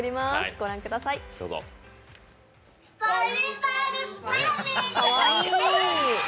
御覧ください。